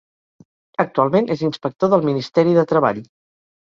Actualment és inspector del Ministeri de Treball.